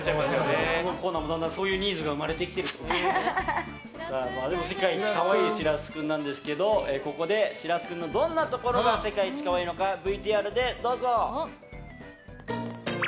このコーナーもだんだんそういうニーズが世界一可愛いしらす君なんですがここでしらす君のどんなところが世界一可愛いのかＶＴＲでどうぞ！